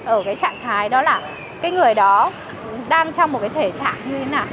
ở trạng thái đó là người đó đang trong một thể trạng như thế nào